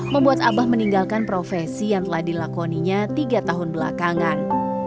membuat abah meninggalkan profesi yang telah dilakoninya tiga tahun belakangan